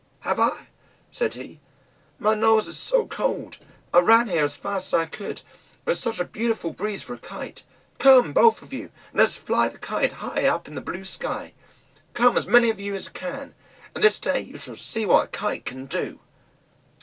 "Have I?" said he; "my nose is so cold! I ran here as fast as I could, there is such a beautiful breeze for a Kite. Come, both of you, and let us fly the Kite high up in the blue sky; come as many of you as can, and this day you shall see what a Kite can do!"